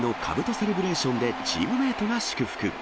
セレブレーションでチームメートが祝福。